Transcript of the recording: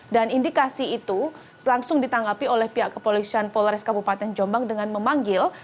dan indikasi itu langsung ditanggapi oleh pihak kepolisian polres kabupaten jombang dengan memanggil